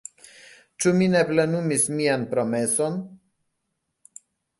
Ĉu mi ne plenumis mian promeson?